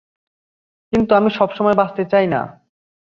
কিন্তু আমি সময় বাঁচাতে চাই না।